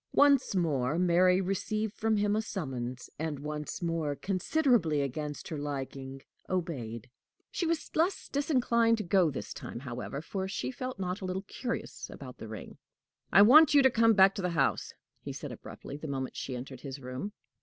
Once more Mary received from him a summons, and once more, considerably against her liking, obeyed. She was less disinclined to go this time, however, for she felt not a little curious about the ring. "I want you to come back to the house," he said, abruptly, the moment she entered his room.